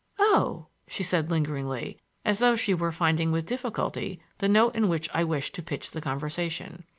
"Oh!" she said lingeringly, as though she were finding with difficulty the note in which I wished to pitch the conversation.